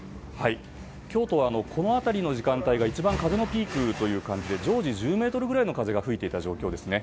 京都はこの辺りの時間帯が一番風のピークという感じで常時１０メートルぐらいの風が吹いていた状況ですね。